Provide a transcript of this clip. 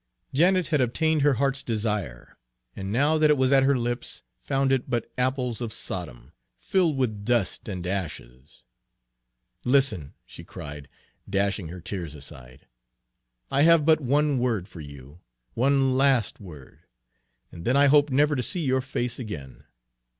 Janet had obtained her heart's desire, and now that it was at her lips, found it but apples of Sodom, filled with dust and ashes! "Listen!" she cried, dashing her tears aside. "I have but one word for you, one last word, and then I hope never to see your face again!